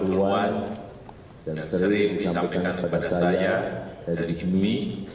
perlu saya sampaikan mengenai keluhan keluhan yang sering disampaikan kepada saya dari hipmi